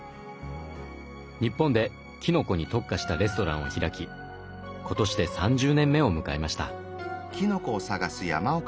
日本できのこに特化したレストランを開き今年で３０年目を迎えました。